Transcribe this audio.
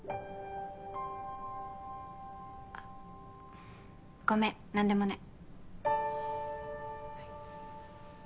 あごめん何でもない